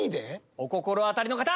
お心当たりの方！